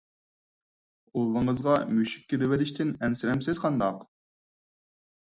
ئۇۋىڭىزغا مۈشۈك كىرىۋېلىشتىن ئەنسىرەمسىز قانداق؟